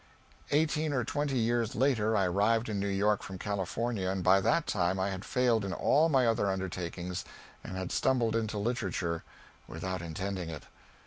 Eighteen or twenty years later I arrived in New York from California, and by that time I had failed in all my other undertakings and had stumbled into literature without intending it.